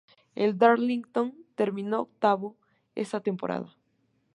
El Darlington terminó octavo esa temporada.